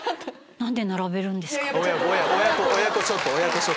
何で並べるんですか？